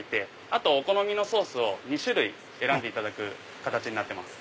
あとお好みのソースを２種類選んでいただく形です。